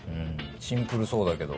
シンプルそうだけど。